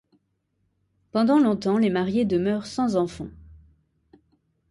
Pendant longtemps, les mariés demeurent sans enfant.